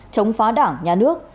chống phá đảng nhà nước